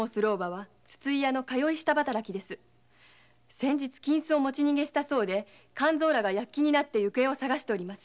先日金子を持ち逃げしたそうで勘造らが行方を捜しております。